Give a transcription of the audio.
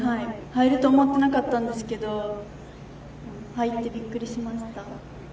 入ると思ってなかったんですけれども、入ってびっくりしました。